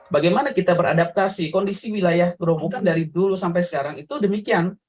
bagaimana kita beradaptasi kondisi wilayah gerobokan dari dulu sampai sekarang itu demikian